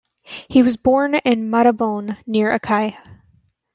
He was born in Montabone near Acqui.